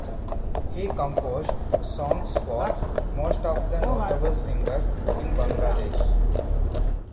He composed songs for most of the notable singers in Bangladesh.